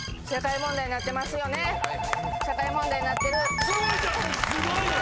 すごいよ！